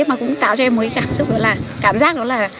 mà cũng tạo cho em một cái cảm giác